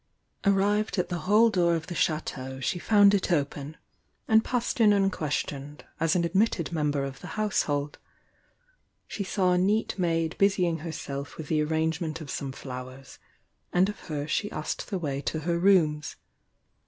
Arri ed at the hall door of the Chateau she found it open, and passed in unquestioned, as an admitted member of the household. She saw a neat maid busying herself with the arrangement of some flow ers, and of her she asked the way to her rooms.